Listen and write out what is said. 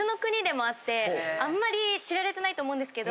あんまり知られてないと思うんですけど。